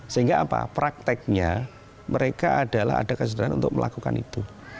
sehingga prakteknya mereka adalah ada kesadaran untuk melakukan itu